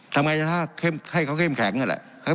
ทำไงถ้าให้เขาเข้มแข็งนั่นแหละ